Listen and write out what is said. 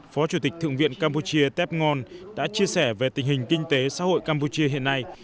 phó chủ tịch thượng viện campuchia tép ngôn đã chia sẻ về tình hình kinh tế xã hội campuchia hiện nay